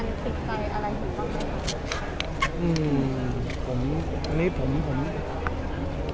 ขอบความหนึ่งหนึ่งด้วยนะคะว่าหลังจากที่เมื่อเวลาข่าวไปแล้วเพราะมันเกิดเหตุการณ์แบบนี้พอจริงจริงแล้วว่าค่ะ